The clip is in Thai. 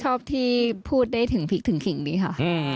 ชอบที่พูดได้ถึงพริกถึงขิงนี้ค่ะ